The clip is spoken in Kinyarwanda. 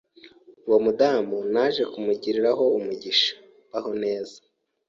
Uwo mudamu naje kumugiriraho umugisha mbaho neza,